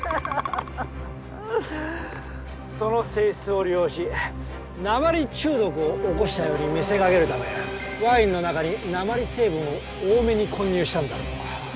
その性質を利用し鉛中毒を起こしたように見せかけるためワインの中に鉛成分を多めに混入したんだろう。